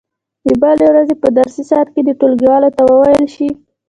د بلې ورځې په درسي ساعت کې دې ټولګیوالو ته وویل شي.